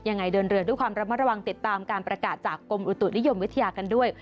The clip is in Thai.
เดินเรือด้วยความระมัดระวังติดตามการประกาศจากกรมอุตุนิยมวิทยากันด้วย